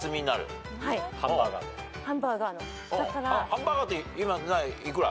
ハンバーガーって今幾ら？